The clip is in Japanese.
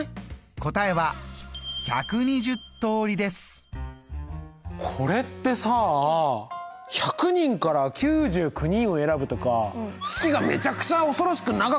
答えはこれってさあ１００人から９９人を選ぶとか式がめちゃくちゃ恐ろしく長くなりそうじゃない？